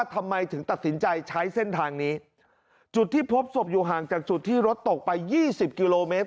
พิสารลงทางนี้จุดที่พบศพอยู่ห่างจากจุดที่รถตกไป๒๐กิโลเมตร